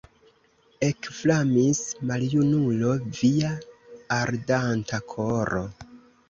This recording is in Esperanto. Ekflamis, maljunulo, via ardanta koro!